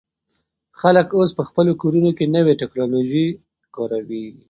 خلک اوس په خپلو کورونو کې نوې ټیکنالوژي کاروي.